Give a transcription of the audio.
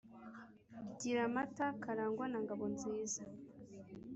giramata, karangwa na ngabonziza